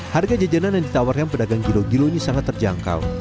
harga jajanan yang ditawarkan pedagang gilo gilo ini sangat terjangkau